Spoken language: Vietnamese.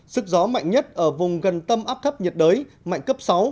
sức gió mạnh nhất ở vùng gần tâm áp thấp nhiệt đới mạnh cấp sáu